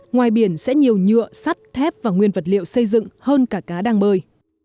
ngoài biển sẽ nhiều nhựa sắt thép và nguyên vật liệu xây dựng hơn cả cá đang bơi